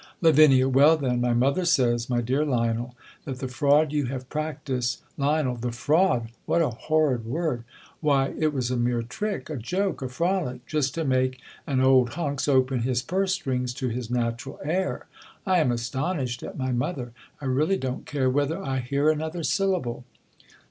Lav. Well, then, my mother says, my dear Lionel, that the. fraud you have practised Lion, ■ The fraud ! what a horrid word ! Whv it was a mere trick! a joke! a frolic! iust to make* an old THE COLUMBIAN ORATOR. 2i2& M hunks open his purse strings to his natural heir. I am astonished at my mother! I really don't care whether 1 hear another syllable.